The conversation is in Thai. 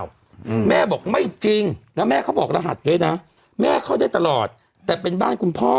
อืมแม่บอกไม่จริงแล้วแม่เขาบอกรหัสด้วยนะแม่เข้าได้ตลอดแต่เป็นบ้านคุณพ่อ